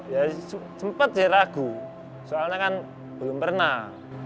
ya sempat sih ragu soalnya kan belum pernah